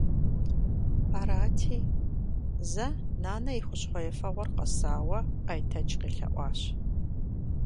Арати, зэ нанэ и хущхъуэ ефэгъуэр къэсауэ Айтэч къелъэӀуащ.